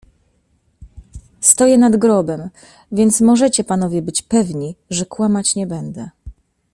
"Stoję nad grobem, więc możecie panowie być pewni, że kłamać nie będę."